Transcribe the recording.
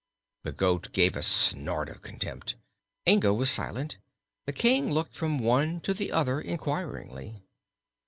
The goat gave a snort of contempt; Inga was silent; the King looked from one to the other inquiringly.